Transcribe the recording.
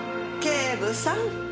警部さん。